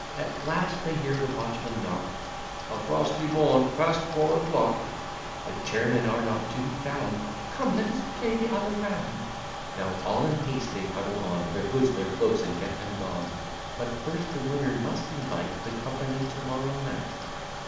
At last they hear the watchman knock, "A frosty morn past four o'clock." The chairmen are not to be found, "Come, let us play the other round." Now all in haste they huddle on Their hoods, their cloaks, and get them gone; But, first, the winner must invite The company to morrow night.